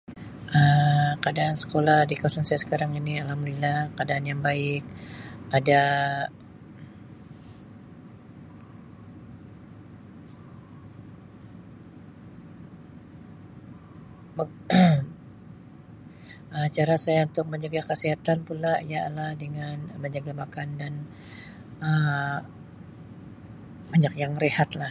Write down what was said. Um Keadaan sekolah di kawasan saya sekarang ini Alhamdulillah keadaan yang baik ada Um cara saya untuk menjaga kesihatan pula ialah adalah dengan menjaga makanan Um banyak yang rehat lah.